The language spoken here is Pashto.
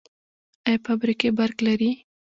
آیا فابریکې برق لري؟